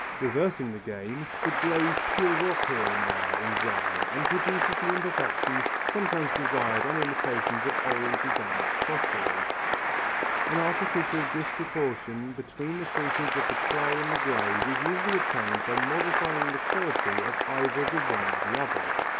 Reversing the game, the glaze peels off here and there in drying and produces the imperfections sometimes desired on imitations of old and damaged pottery. An artificial disproportion between the shrinkage of the clay and the glaze is usually obtained by modifying the quality of either the one or the other.